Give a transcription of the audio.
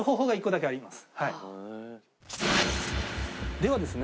ではですね